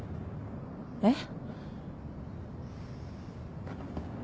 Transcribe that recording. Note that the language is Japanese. えっ？